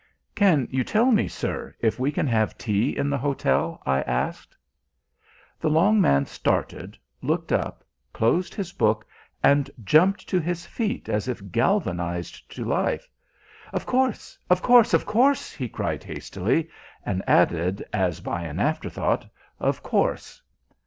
"Can you tell me, sir, if we can have tea in the hotel," I asked. The long man started, looked up, closed his book, and jumped to his feet as if galvanized to life. "Of course, of course, of course," he cried hastily, and added, as by an afterthought, "of course."